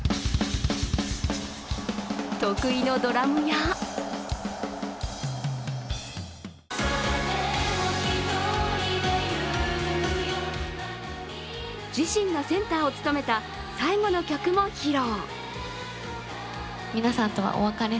得意のドラムや自身がセンターを務めた最後の曲も披露。